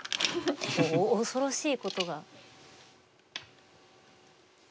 おお恐ろしいことが。